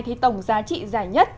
thì tổng giá trị giải nhất